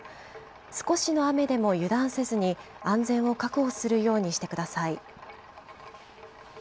少しの雨でも油断せずに、安全を確保するようにしてください。